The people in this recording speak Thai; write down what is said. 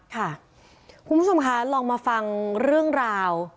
คุณผู้ชมคะลองมาฟังเรื่องราว